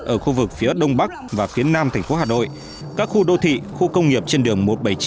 ở khu vực phía đông bắc và phía nam thành phố hà nội các khu đô thị khu công nghiệp trên đường một trăm bảy mươi chín